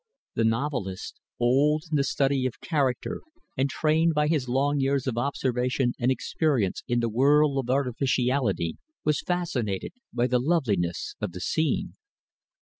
The novelist old in the study of character and trained by his long years of observation and experience in the world of artificiality was fascinated by the loveliness of the scene.